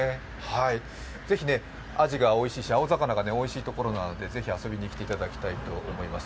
ぜひ、アジがおいしいし、青魚がおいしいところなのでぜひ遊びに来ていただきたいと思います。